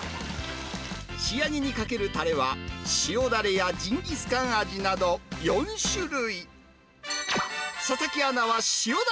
仕上げにかけるたれは、塩だれやジンギスカン味など、４種類。